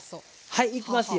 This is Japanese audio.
はいいきますよ